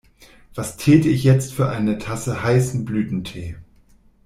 Was täte ich jetzt für eine Tasse heißen Blütentee!